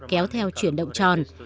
kéo theo chuyển động tròn